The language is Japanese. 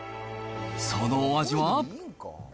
そのお味は。